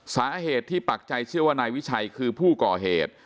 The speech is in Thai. สาเหตุที่ปักใจเชื่อว่านายวิชัยคือผู้ก่อเหตุ